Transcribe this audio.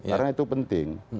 karena itu penting